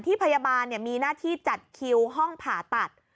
พยาบาลมีหน้าที่จัดคิวห้องผ่าตัด